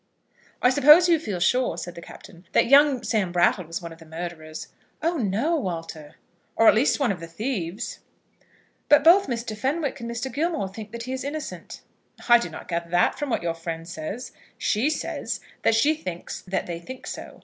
"I suppose you feel sure," said the Captain, "that young Sam Brattle was one of the murderers?" "Oh no, Walter." "Or at least one of the thieves?" "But both Mr. Fenwick and Mr. Gilmore think that he is innocent." "I do not gather that from what your friend says. She says that she thinks that they think so.